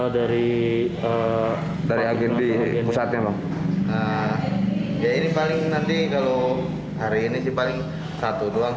dari dari agen di pusatnya bang ya ini paling nanti kalau hari ini sih paling satu doang